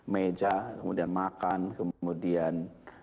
meja kemudian makan kemudian